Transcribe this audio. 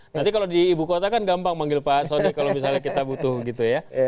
nanti kalau di ibu kota kan gampang manggil pak soni kalau misalnya kita butuh gitu ya